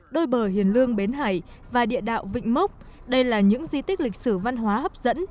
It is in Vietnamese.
đôi bờ hiền lương bến hải và địa đạo vịnh mốc đây là những di tích lịch sử văn hóa hấp dẫn